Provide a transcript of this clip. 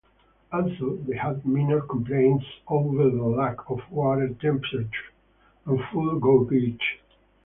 Also, they had minor complaints over the lack of water temperature and fuel gauges.